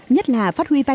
nhất là phát huy vai truyền